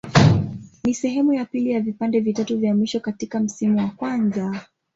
Ni sehemu ya pili ya vipande vitatu vya mwisho katika msimu wa kwanza.